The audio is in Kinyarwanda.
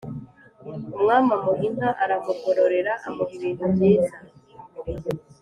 umwami amuha inka, aramugororera, amuha ibintu byiza.